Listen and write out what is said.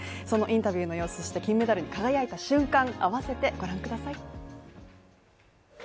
そのインタビューの様子、そして金メダルに輝いた瞬間、合わせてご覧ください。